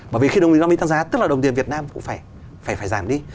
bởi vì khi đồng đô la mỹ tăng giá tức là đồng tiền việt nam cũng phải giảm đi